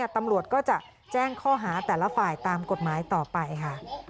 ตำรวจก็จะแจ้งข้อหาแต่ละฝ่ายตามกฎหมายต่อไปค่ะ